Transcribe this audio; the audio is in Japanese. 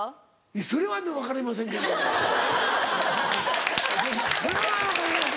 それは分かりませんけども。なぁ